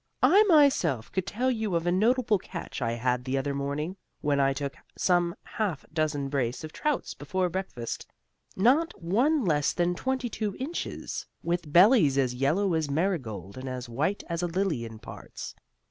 I myself could tell you of a notable catch I had the other morning, when I took some half dozen brace of trouts before breakfast, not one less than twenty two inches, with bellies as yellow as marigold and as white as a lily in parts.